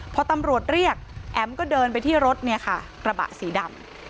พอตำรวจเรียกแอ๋มก็เดินไปที่รถเนี่ยค่ะกระบะสีดำ